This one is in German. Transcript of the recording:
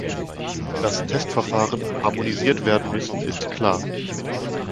Dass Testverfahren harmonisiert werden müssen, ist klar.